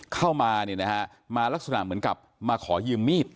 เข้ามาเนี่ยนะฮะมาลักษณะเหมือนกับมาขอยืมมีด